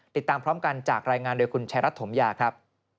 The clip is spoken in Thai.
ติดตามพร้อมกันจากรายงานโดยคุณชายรัฐถมยาครับ